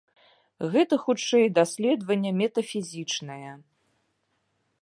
Гэта хутчэй даследаванне метафізічнае.